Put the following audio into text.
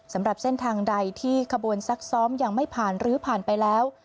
สำหรับเส้นทางใดที่ขบวนซักซ้อมยังไม่ผ่านหรือผ่านไปแล้ว